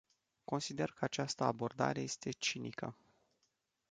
Consider că această abordare este cinică.